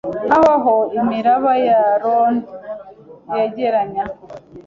Nkaho aho imiraba ya Rhone yegeranya